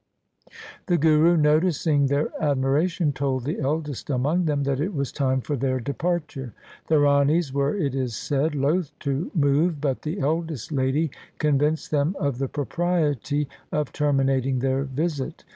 The Guru noticing their admira tion told the eldest among them that it was time for their departure. The ranis were, it is said, loth to move, but the eldest lady convinced them of the propriety of terminating their visit.